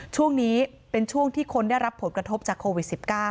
ช่วงนี้เป็นช่วงที่คนได้รับผลกระทบจากโควิด๑๙